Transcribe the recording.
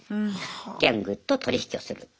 ギャングと取り引きをするっていう。